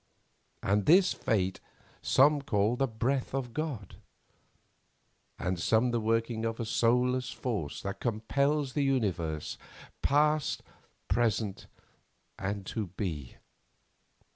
And this fate some call the Breath of God, and some the working of a soulless force that compels the universe, past, present, and to be.